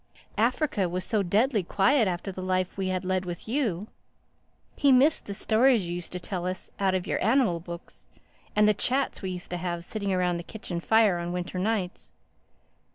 Africa was so deadly quiet after the life we had led with you. He missed the stories you used to tell us out of your animal books—and the chats we used to have sitting round the kitchen fire on winter nights.